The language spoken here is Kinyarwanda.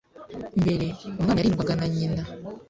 Mbere, umwana yarindwaga na nyina.